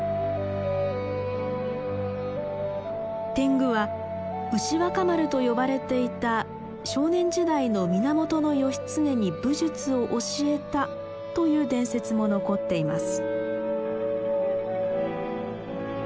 天狗は牛若丸と呼ばれていた少年時代の源義経に武術を教えたという伝説も残っています。